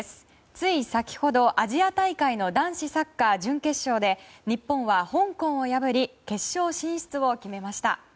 つい先ほど、アジア大会の男子サッカー準決勝で日本は香港を破り決勝進出を決めました。